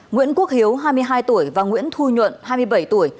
nguyễn quốc hiếu hai mươi hai tuổi và nguyễn thu nhuận hai mươi bảy tuổi